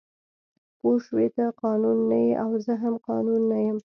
پوه شوې ته قانون نه یې او زه هم قانون نه یم